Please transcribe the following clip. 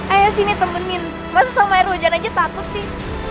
eh sini temenin masa sama air hujan aja takut sih